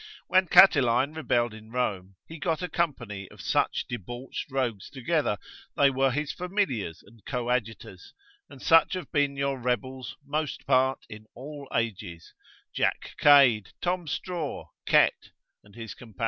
When Catiline rebelled in Rome, he got a company of such debauched rogues together, they were his familiars and coadjutors, and such have been your rebels most part in all ages, Jack Cade, Tom Straw, Kette, and his companions.